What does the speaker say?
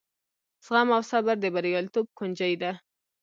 زغم او صبر د بریالیتوب کونجۍ ده.